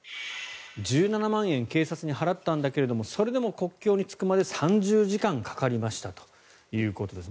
１７万円警察に払ったんだけどそれでも国境に着くまで３０時間かかりましたということです。